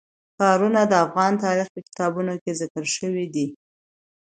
ښارونه د افغان تاریخ په کتابونو کې ذکر شوی دي.